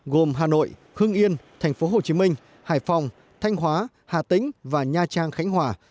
gồm hà nội hưng yên thành phố hồ chí minh hải phòng thanh hóa hà tĩnh và nha trang khánh hòa